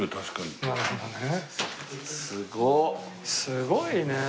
すごいね。